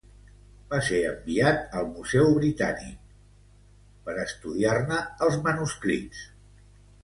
Va ser enviat al Museu Britànic pel govern espanyol per estudiar-ne els manuscrits.